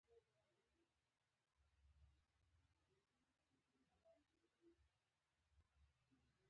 دومره ساده نه یم چي خپل قاتل مي وستایمه